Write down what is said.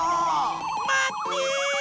まって！